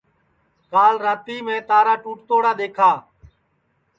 کال راتی میں تارا ٹُوٹ توڑا دؔیکھا